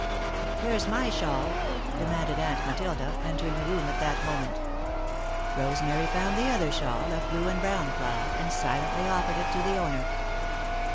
"Where's my shawl?" demanded Aunt Matilda, entering the room at that moment. Rosemary found the other shawl, of blue and brown plaid, and silently offered it to the owner.